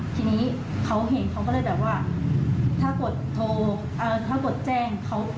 ทีนี้เขาเห็นเขาก็เลยแบบว่าถ้ากดโทรถ้ากดแจ้ง